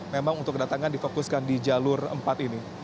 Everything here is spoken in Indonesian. memang untuk kedatangan difokuskan di jalur empat ini